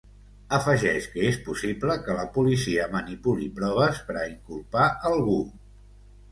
Afegeix que és possible que la policia manipuli proves per a inculpar algú.